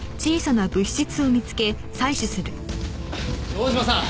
城島さん！